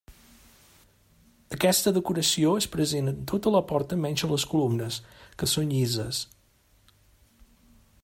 Aquesta decoració és present en tota la porta menys a les columnes, que són llises.